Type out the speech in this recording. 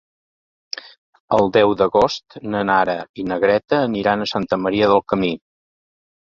El deu d'agost na Nara i na Greta aniran a Santa Maria del Camí.